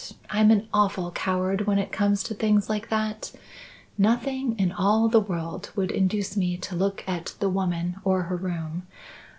I'm an awful coward when it comes to things like that. Nothing in all the world would induce me to look at the woman or her room.